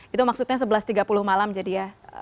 itu maksudnya sebelas tiga puluh malam jadi ya